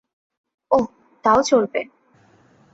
ওহ, তাও চলবে।